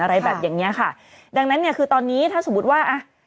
อะไรแบบอย่างเงี้ยค่ะดังนั้นเนี่ยคือตอนนี้ถ้าสมมุติว่าอ่ะ